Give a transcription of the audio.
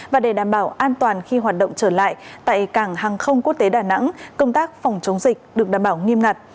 và để đảm bảo an toàn khi hoạt động trở lại tại cảng hàng không quốc tế đà nẵng công tác phòng chống dịch được đảm bảo nghiêm ngặt